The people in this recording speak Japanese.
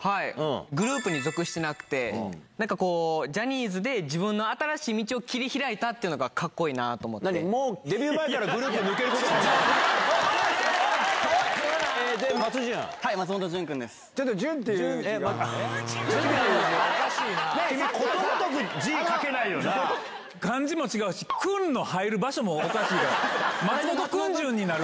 グループに属してなくて、なんかこう、ジャニーズで自分の新しい道を切り開いたっていうのがかっこいい何もう、デビュー前からグループ抜けること考えてる？